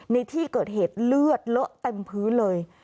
ในที่เกิดเหตุเลือดเลอะเต็มพื้นเลย